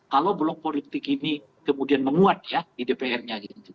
kalau belum politik ini kemudian menguat di dpr nya